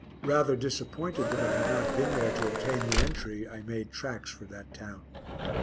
Rather disappointed that I had not been there to obtain the entry, I made tracks for that town.